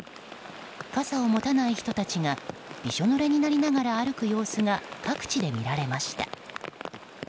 傘を持たない人たちがびしょぬれになりながら歩く様子が各地で見られました。